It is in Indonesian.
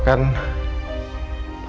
semakin banyak yang mendoakan